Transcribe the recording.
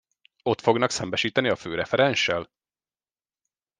Ott fognak szembesíteni a főrefenssel?